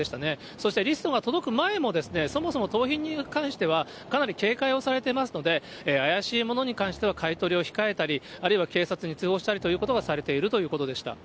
そしてリストが届く前も、そもそも盗品に関しては、かなり警戒をされていますので、怪しいものに関しては買い取りを控えたり、あるいは警察に通報したりということがされているということでした。